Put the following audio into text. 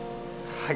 はい。